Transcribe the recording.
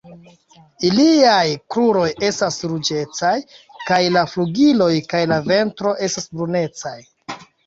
Iliaj kruroj estas ruĝecaj kaj la flugiloj kaj la ventro estas brunecaj.